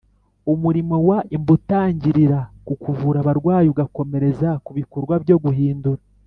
Umurimo wa imb utangirira ku kuvura abarwayi ugakomereza ku bikorwa byo guhindura